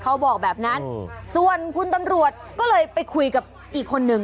เขาบอกแบบนั้นส่วนคุณตำรวจก็เลยไปคุยกับอีกคนนึง